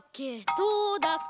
どうだっけ？